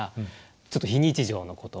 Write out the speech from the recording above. ちょっと非日常の言葉。